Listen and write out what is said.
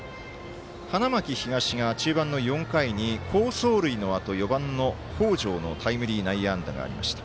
花巻東が中盤の４回に好走塁のあと４番の北條のタイムリー内野安打がありました。